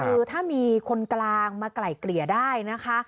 คือถ้ามีคนกลางมาไกล่เกลี่ยได้นะคะ